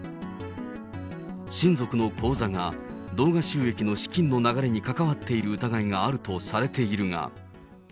親族の口座が動画収益の資金の流れに関わっている疑いがあるとされているが。